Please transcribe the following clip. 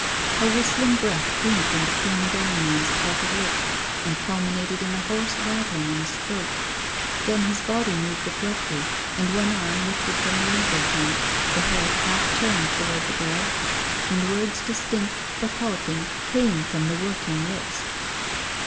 A whistling breath came from between the dying man's parted lips, and culminated in a hoarse rattling in his throat. Then his body moved abruptly, and one arm lifted from the elbow joint, the head half turned towards the girl, and words distinct, but halting, came from the working lips.